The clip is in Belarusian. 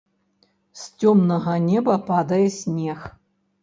З цёмнага неба падае снег.